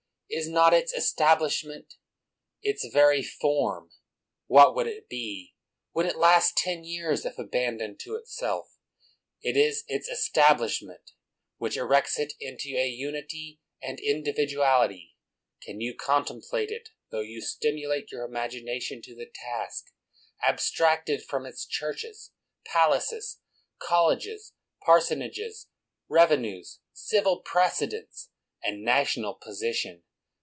Is not its establishment its very fm mf What would it be — would it last ten years, if abandoned to itself ? It is its estab lishment which erects it into a unity and indi viduality. Can you contemplate it, tho you stim ulate your imagination to the task, abstracted from its churches, palaces, colleges, parsonages, revenues, civil precedence, and national posi tion?